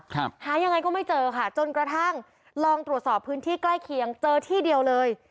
หายังไงก็ไม่เจอค่ะจนกระทั่งลองตรวจสอบพื้นที่ใกล้เคียงเจอที่เดียวเลย